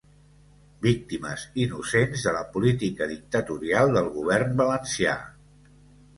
Víctimes innocents de la política dictatorial del govern valencià